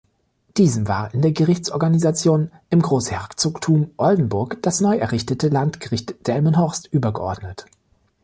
Diesem war in der Gerichtsorganisation im Großherzogtum Oldenburg das neu errichtete Landgericht Delmenhorst übergeordnet.